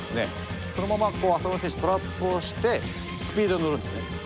そのまま浅野選手トラップをしてスピードに乗るんですね。